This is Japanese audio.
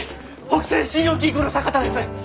北西信用金庫の坂田です。